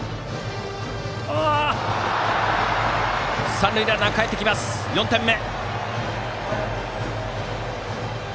三塁ランナーがかえって４点目。